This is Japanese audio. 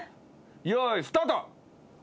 よーいスタート。